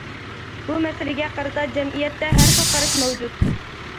بۇ مەسىلىگە قارىتا جەمئىيەتتە ھەر خىل قاراش مەۋجۇت.